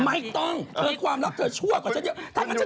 ไม่ต้องเธอความรักเธอชั่วกว่าฉันเยอะ